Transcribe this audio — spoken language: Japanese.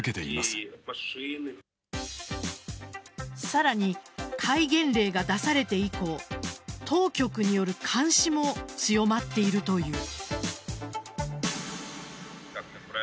さらに戒厳令が出されて以降当局による監視も強まっているという。